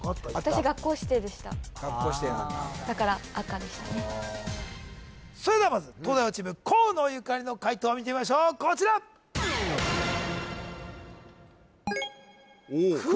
私学校指定でした学校指定なんだだからそれではまず東大王チーム河野ゆかりの解答見てみましょうこちら・黒！？